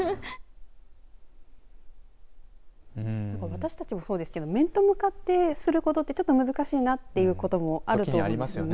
私たちもそうですけど面と向かってすることってちょっと難しいなということも時にありますよね。